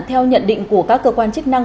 theo nhận định của các cơ quan chức năng